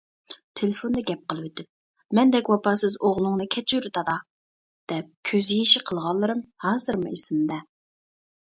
تېلېفوندا گەپ قىلىۋېتىپ «مەندەك ۋاپاسىز ئوغلۇڭنى كەچۈر دادا !» دەپ كۆز يېشى قىلغانلىرىم ھازىرمۇ ئېسىمدە.